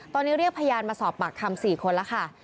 ตอนนี้เรียกพยานมาสอบปากคำ๔คนแล้วค่ะ